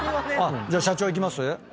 じゃあ社長いきます？